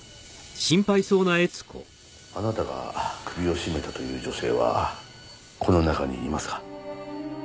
あなたが首を絞めたという女性はこの中にいますか？